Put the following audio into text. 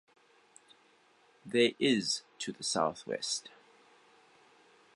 There is to the South-West.